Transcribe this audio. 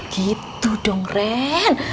gitu dong ren